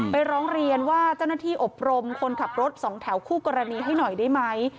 ร้องเรียนว่าเจ้าหน้าที่อบรมคนขับรถสองแถวคู่กรณีให้หน่อยได้ไหม